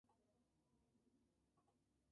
Acabada la guerra, tuvo que exiliarse en Francia.